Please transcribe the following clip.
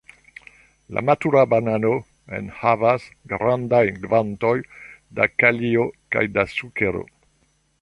La matura banano enhavas grandajn kvantojn da kalio kaj da sukero.